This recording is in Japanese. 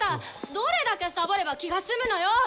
どれだけサボれば気が済むのよ！